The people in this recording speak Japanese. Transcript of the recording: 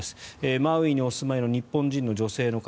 マウイにお住まいの日本人の女性の方。